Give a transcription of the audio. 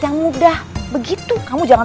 jadi lo ingin tahu kan